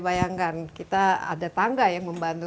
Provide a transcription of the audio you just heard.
bayangkan kita ada tangga yang membantu